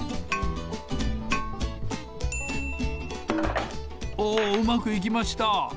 さておおうまくいきました！